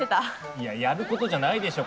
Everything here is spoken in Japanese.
いやいややることじゃないでしょ